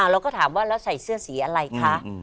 เราก็ถามว่าแล้วใส่เสื้อสีอะไรคะ